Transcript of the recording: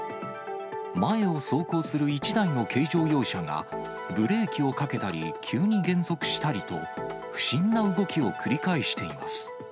前を走行する１台の軽乗用車が、ブレーキをかけたり、急に減速したりと、不審な動きを繰り返しています。